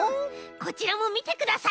こちらもみてください！